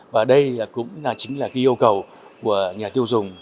và đây cũng chính là cái yêu cầu của nhà tiêu dùng